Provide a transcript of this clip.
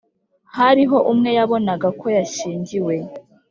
hariho umwe yabonaga ko yashyingiwe;